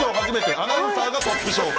初めてアナウンサーがトップ賞。